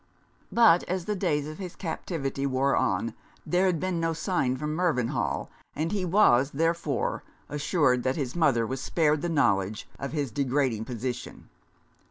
But as the days of his captivity wore on there had been no sign from Mervynhall, and he was, therefore, assured that his mother was spared the knowledge of his degrading position.